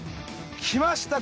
きました。